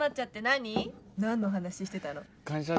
何の話してたの？感謝